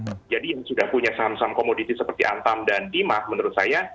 kalau anda yang sudah punya saham saham komoditinya seperti antam dan timah menurut saya